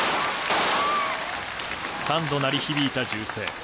３度鳴り響いた銃声。